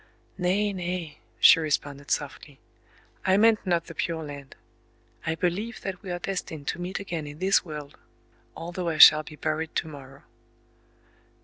"Nay, nay!" she responded softly, "I meant not the Pure Land. I believe that we are destined to meet again in this world,—although I shall be buried to morrow."